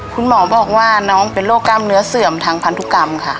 คุณหมอบอกว่าน้องเป็นโรคกล้ามเนื้อเสื่อมทางพันธุกรรมค่ะ